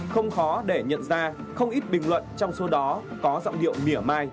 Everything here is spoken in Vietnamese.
không khó để nhận ra không ít bình luận trong số đó có giọng điệu mỉa mai